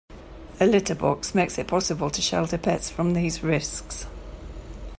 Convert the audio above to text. A litter box makes it possible to shelter pets from these risks.